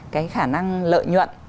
cái khả năng lợi nhuận